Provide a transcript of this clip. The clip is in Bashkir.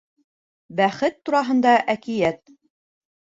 БӘХЕТ ТУРАҺЫНДА ӘКИӘТ